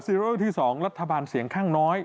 ศีลาเลโลที่๒รัฐบาลเสียงข้างน้อย